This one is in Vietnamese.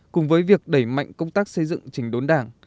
cùng với việc đẩy mạnh công tác xây dựng trình đốn đảng